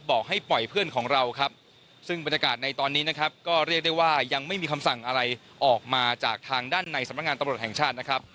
บอกให้ปล่อยเพื่อนของเราครับซึ่งบรรยากาศในตอนนี้นะครับก็เรียกได้ว่ายังไม่มีคำสั่งอะไรออกมาจากทางด้านในสำนักงานตำรวจแห่งชาตินะครับ